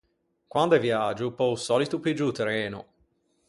Quande viægio, pe-o sòlito piggio o treno.